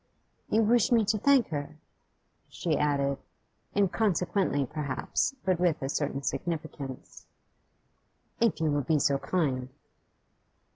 'You wish me to thank her?' she added; inconsequently perhaps, but with a certain significance. 'If you will be so kind.